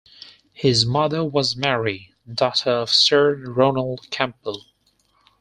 His mother was Mary, daughter of Sir Ronald Campbell.